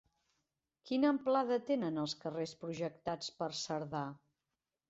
Quina amplada tenen els carrers projectats per Cerdà?